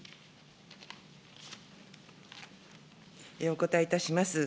お答えいたします。